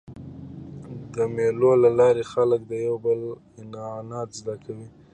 د مېلو له لاري خلک د یو بل عنعنات زده کوي.